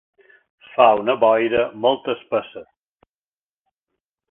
Fa una boira molt espessa.